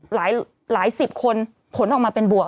หลายสิบคนผลออกมาเป็นบวก